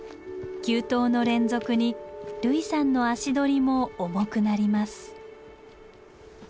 急登の連続に類さんの足取りも重くなります。